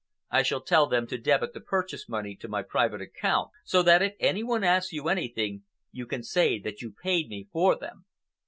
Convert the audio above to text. I shall tell them to debit the purchase money to my private account, so that if any one asks you anything, you can say that you paid me for them."